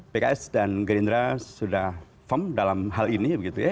pks dan gerindra sudah firm dalam hal ini